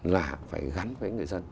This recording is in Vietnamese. là phải gắn với người dân